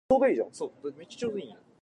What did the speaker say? The second act consists of three parts.